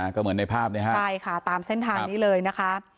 ก็เหมือนในภาพนี้ฮะใช่ค่ะตามเส้นทางนี้เลยนะคะ